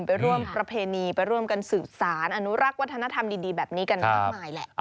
ไปร่วมประเพณีไปร่วมกันสืบสารอนุรักษ์วัฒนธรรมดีแบบนี้กันมากมายแหละ